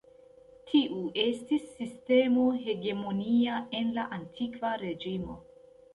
Tiu estis sistemo hegemonia en la Antikva Reĝimo.